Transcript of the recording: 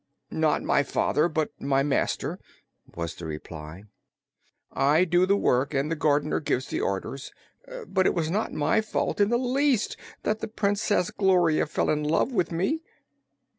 "Not my father, but my master," was the reply "I do the work and the gardener gives the orders. And it was not my fault, in the least, that the Princess Gloria fell in love with me."